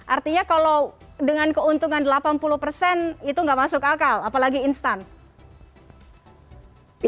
artinya kalau dengan keuntungan delapan puluh persen itu nggak masuk akal apalagi instan